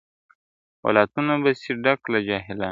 ولاتونه به سي ډک له جاهلانو ..